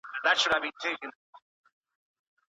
خپل ولورونه په پوره ايماندارۍ سره ادا کړئ.